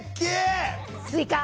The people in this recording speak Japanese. スイカ。